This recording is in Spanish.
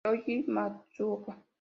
Ryosuke Matsuoka